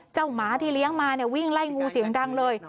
เจ้าหมาที่เลี้ยงมาวิ่งไล่งูเสียงดังเลย